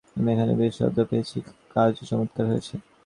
আমি এখানে বেশ সদ্ব্যবহার পেয়েছি, কাজও চমৎকার হচ্ছে।